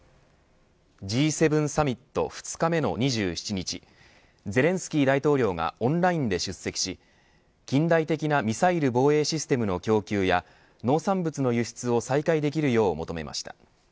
Ｇ７サミット２日目の２７日ゼレンスキー大統領がオンラインで出席し近代的なミサイル防衛システムの供給や農産物の輸出を再開できるよう求めました。